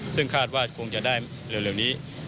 ซึ่งคาดว่าคงจะได้เร็วนี้